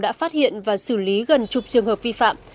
đã phát hiện và xử lý gần chục trường hợp vi phạm